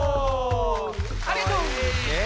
ありがとう！ねえ